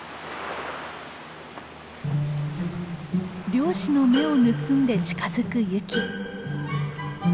漁師の目を盗んで近づくユキ。